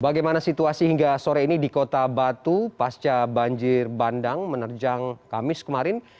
bagaimana situasi hingga sore ini di kota batu pasca banjir bandang menerjang kamis kemarin